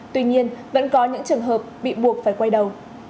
tuy nhiên vẫn có những trường hợp bị buộc phải quay đầu